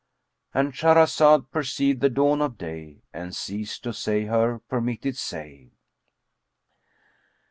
"—And Shahrazad perceived the dawn of day and ceased to say her permitted say.